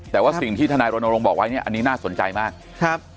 แต่ว่าสิ่งที่ทนายรณรงค์บอกไว้เนี่ยอันนี้น่าสนใจมากครับ